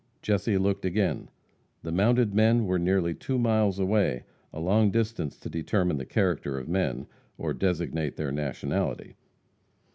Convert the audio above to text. Jesse looked again. The mounted men were nearly two miles away a long distance to determine the character of men, or designate their nationality.